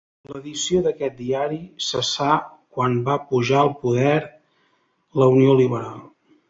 L'edició d'aquest diari cessà quan va pujar al poder la Unió Liberal.